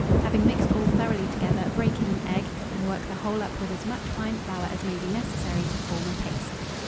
Having mixed all thoroughly together, break in an egg, and work the whole up with as much fine flour as may be necessary to form a paste.